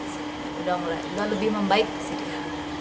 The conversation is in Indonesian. sudah lebih membaik sih dia